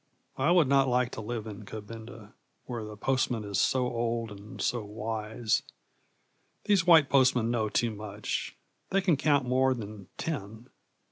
I would not like to live in Kabinda, where the postman is so old and so wise. These white postmen know too much; they can count more than ten.